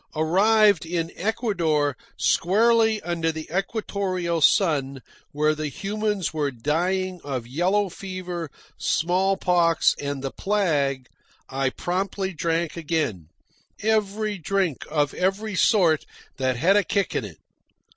Arrived in Ecuador, squarely under the equatorial sun, where the humans were dying of yellow fever, smallpox, and the plague, I promptly drank again every drink of every sort that had a kick in it.